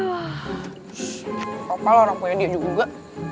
gapapa lah orang punya dia juga